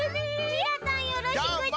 ミラたんよろしくち。